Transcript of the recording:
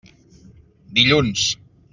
Dilluns.